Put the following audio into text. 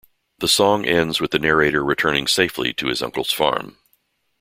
The song ends with the narrator returning safely to his uncle's farm.